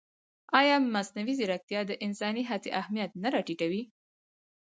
ایا مصنوعي ځیرکتیا د انساني هڅې اهمیت نه راټیټوي؟